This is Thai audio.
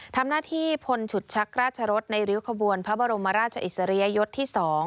ทำหน้าที่พลฉุดชักราชรสในริ้วขบวนพระบรมราชอิสริยยศที่๒